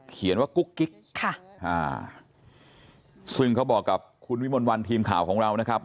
ว่ากุ๊กกิ๊กค่ะอ่าซึ่งเขาบอกกับคุณวิมลวันทีมข่าวของเรานะครับ